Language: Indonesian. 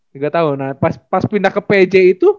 tiga tahun pas pindah ke pj itu